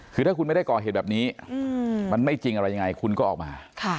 คือถ้าคุณไม่ได้ก่อเหตุแบบนี้มันไม่จริงอะไรยังไงคุณก็ออกมา